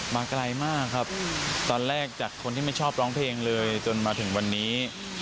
มาไกลมากครับตอนแรกจากคนที่ไม่ชอบร้องเพลงเลยจนมาถึงวันนี้